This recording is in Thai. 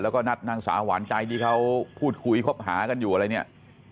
แล้วก็นัดนางสาวหวานใจที่เขาพูดคุยคบหากันอยู่อะไรเนี่ย